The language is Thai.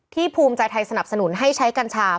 ภูมิใจไทยสนับสนุนให้ใช้กัญชา